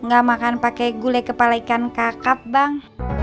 gak makan pakai gulai kepala ikan kakap bang